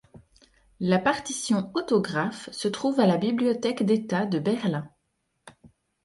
La partition autographe se trouve à la Bibliothèque d'État de Berlin.